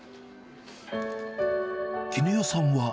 絹代さんは。